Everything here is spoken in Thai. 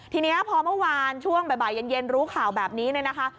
ทีนี้พอเมื่อวานช่วงบ่ายเย็นรู้ข่าวแบบนี้เนี่ยนะคะ